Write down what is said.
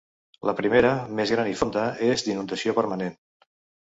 La primera, més gran i fonda, és d'inundació permanent.